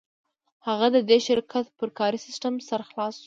هغه د دې شرکت پر کاري سیسټم سر خلاص شو